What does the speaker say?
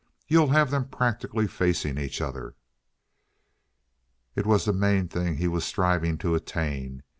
You'll have them practically facing each other." It was the main thing he was striving to attain.